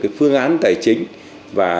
cái phương án tài chính và